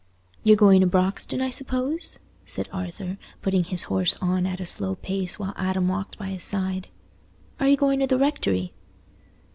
"You're going to Broxton, I suppose?" said Arthur, putting his horse on at a slow pace while Adam walked by his side. "Are you going to the rectory?"